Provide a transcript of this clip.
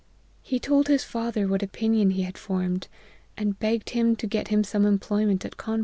He told his father what opinion he had formed, and begged him to get him some employment at Cawn 204 APPENDIX.